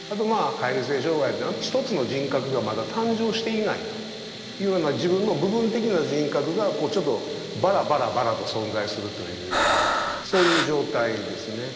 解離性障害というのはひとつの人格がまだ誕生していないというような自分の部分的な人格がちょっとバラバラバラと存在するというようなそういう状態ですね。